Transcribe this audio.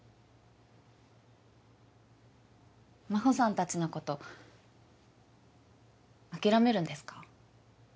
真帆さんたちのこと諦めるんですか？